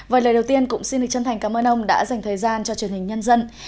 với lời đầu tiên cũng xin được chân thành cảm ơn ông đã dành thời gian cho truyền hình nhân dân